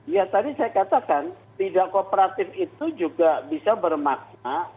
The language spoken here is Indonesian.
ya tadi saya katakan tidak kooperatif itu juga bisa bermakna